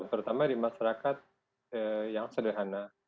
tapi itu ada di masyarakat yang sederhana